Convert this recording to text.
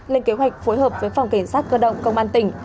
lên kế hoạch phối hợp với phòng cảnh sát cơ động công an tỉnh